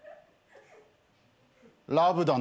ラブだな。